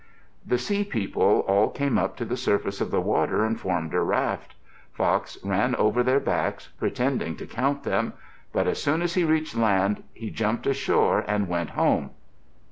The Sea People all came up to the surface of the water and formed a raft. Fox ran over their backs, pretending to count them. But as soon as he reached land, he jumped ashore and went home.